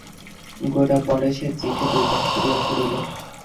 গোরা পরেশের চিঠি দুইবার করিয়া পড়িল।